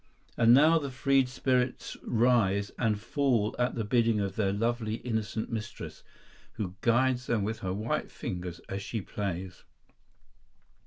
And now the freed spirits rise and fall at the bidding of their lovely, innocent mistress, who guides them with her white fingers as she plays.